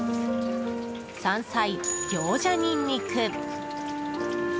山菜、ギョウジャニンニク。